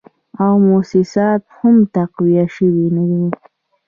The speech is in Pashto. او موسسات هم تقویه شوي نه وې